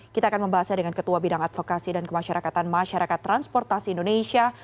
kita akan membahasnya dengan ketua bidang advokasi dan kemasyarakatan masyarakat transportasi indonesia